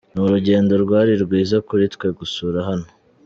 Ni urugendo rwari rwiza kuri twe gusura hano.